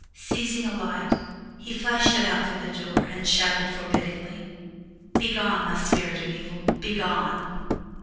Seizing a light, he flashed it out through the door, and shouted forbiddingly: "Begone! thou spirit of evil, begone!"